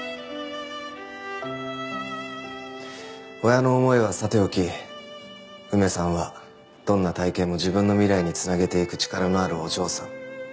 親の思いはさておき梅さんはどんな体験も自分の未来に繋げていく力のあるお嬢さん。